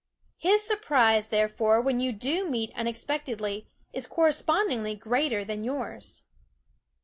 His surprise, therefore, when you do meet unexpectedly is correspondingly greater than yours.